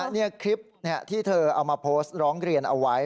นี่คลิปที่เธอเอามาโพสต์ร้องเรียนเอาไว้